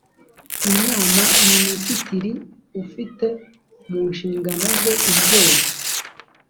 inama minisitiri ufite mu nshingano ze inzego